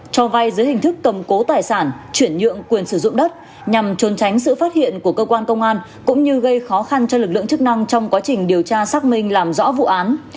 cho vai dưới hình thức cầm cố tài sản chuyển nhượng quyền sử dụng đất nhằm trốn tránh sự phát hiện của cơ quan công an cũng như gây khó khăn cho lực lượng chức năng trong quá trình điều tra xác minh làm rõ vụ án